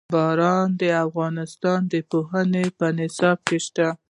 باران د افغانستان د پوهنې په نصاب کې شته.